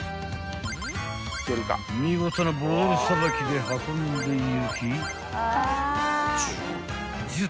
［見事なボールさばきで運んでいき１０